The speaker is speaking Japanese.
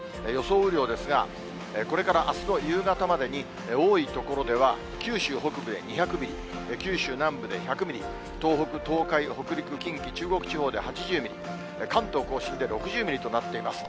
雨量ですが、これからあすの夕方までに、多い所では九州北部で２００ミリ、九州南部で１００ミリ、東北、東海、北陸、近畿、中国地方で８０ミリ、関東甲信で６０ミリとなっています。